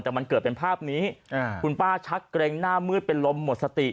แต่มันเกิดเป็นภาพนี้คุณป้าชักเกร็งหน้ามืดเป็นลมหมดสติ